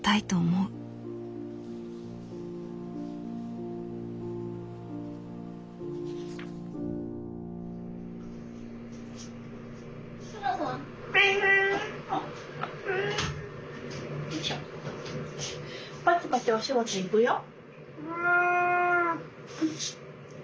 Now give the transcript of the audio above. うん。